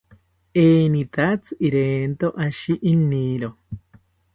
Enitatzi irento ashi iniro